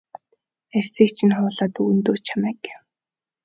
Арьсыг чинь хуулаад өгнө дөө чамайг.